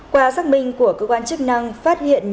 qua xác minh của cơ quan chức năng phát hiện nhiều trường hợp